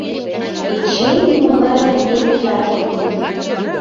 Эчей нимогай эҥгек дечат ок лӱд.